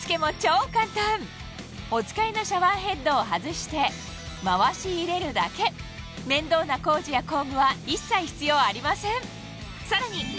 お使いのシャワーヘッドを外して回し入れるだけ面倒な工事や工具は一切必要ありません